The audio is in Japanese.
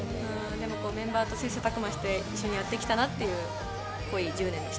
メンバーと切磋琢磨して一緒にやってきたなという、濃い１０年でした。